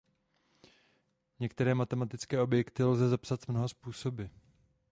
Některé matematické objekty lze zapsat mnoha způsoby.